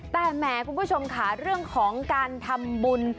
แต่แหมคุณผู้ชมค่ะเรื่องของการทำบุญ